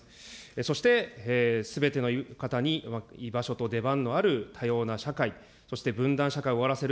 そして、すべての方に居場所と出番のある多様な社会、そして分断社会を終わらせる。